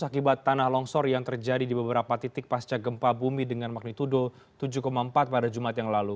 akibat tanah longsor yang terjadi di beberapa titik pasca gempa bumi dengan magnitudo tujuh empat pada jumat yang lalu